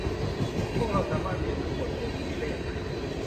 พวกเราสามารถเรียนรู้บทเรียนที่นี่ได้อย่างไร